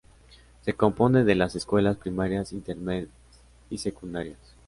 Se compone de las escuelas primarias, intermedias y secundarias.